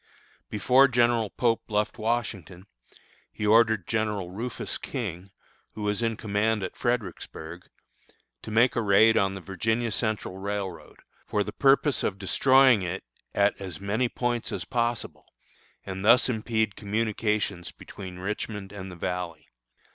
Before General Pope left Washington, he ordered General Rufus King, who was in command at Fredericksburg, to make a raid on the Virginia Central Railroad, for the purpose of destroying it at as many points as possible, and thus impede communications between Richmond and the Valley.